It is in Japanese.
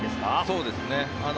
そうですね。